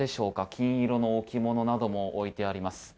金色の置物なども置いてあります。